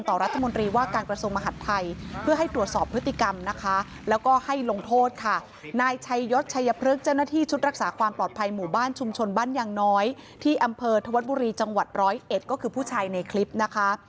ที่อำเภอทวดบุรีจังหวัด๑๐๑ก็คือผู้ชายในคลิปนะคะ